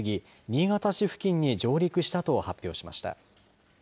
新潟市付近に上陸したと発表しました。